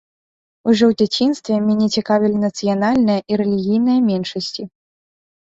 Ужо ў дзяцінстве мяне цікавілі нацыянальныя і рэлігійныя меншасці.